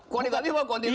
kuantitatif apa kuantitatif